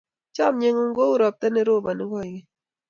Chomye ng'ung' kou ropta ne roponi koigeny.